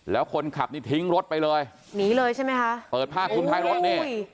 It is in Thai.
แล้วคนขับนี่ทิ้งรถไปเลยหนีเลยใช่ไหมคะเปิดผ้าคลุมท้ายรถนี่